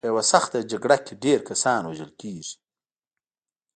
په یوه سخته جګړه کې ډېر کسان وژل کېږي.